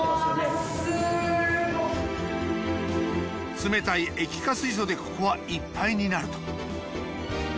冷たい液化水素でここはいっぱいになると。